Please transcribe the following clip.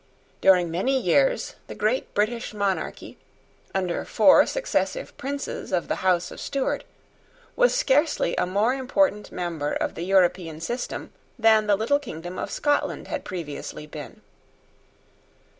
During many years the great British monarchy, under four successive princes of the House of Stuart, was scarcely a more important member of the European system than the little kingdom of Scotland had previously been.